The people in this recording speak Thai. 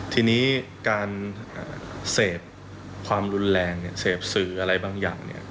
ทีนี้การเสพความรุนแรงเนี่ยเสพสื่ออะไรบางอย่างเนี่ย